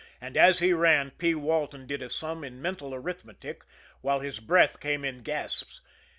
And as he ran P. Walton did a sum in mental arithmetic, while his breath came in gasps.